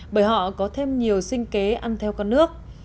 bởi họ có thêm nhiều sinh kế ăn theo con nước